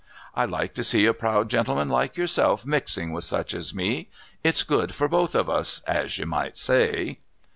I like to see a proud gentleman like yourself mixing with such as me. It's good for both of us, as you might say."